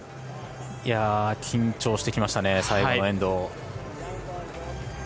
緊張してきましたね。